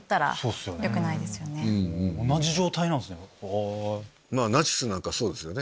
同じ状態なんすね。